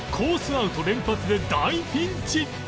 アウト連発で大ピンチ！